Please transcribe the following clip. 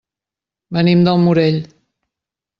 Venim del Morell.